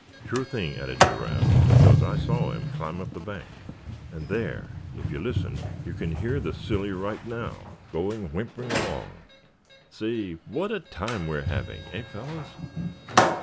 "Sure thing," added Giraffe; "because I saw him climb up the bank; and there, if you listen, you can hear the silly right now, going whimpering along. Say, what a time we are having, eh, fellows?"